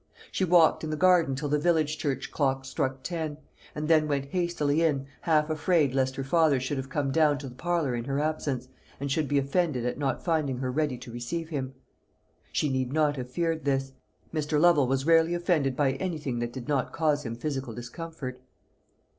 She walked in the garden till the village church clock struck ten, and then went hastily in, half afraid lest her father should have come down to the parlour in her absence, and should be offended at not finding her ready to receive him. She need not have feared this. Mr. Lovel was rarely offended by anything that did not cause him physical discomfort.